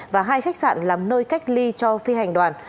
và hai khách sạn làm nơi cách ly cho phi hành đoàn